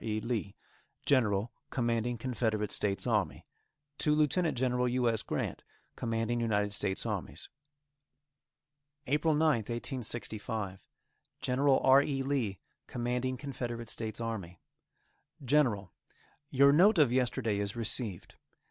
E. LEE, General Commanding Confederate States Army. To Lieut. Gen. U. S. Grant, Commanding United States Armies. APRIL 9th, 1865. Gen. R. E. Lee, Commanding Confederate States Army: GENERAL: Your note of yesterday is received.